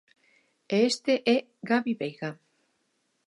E este é Gabi Veiga.